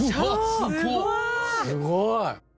すごい！